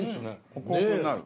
ホクホクになる。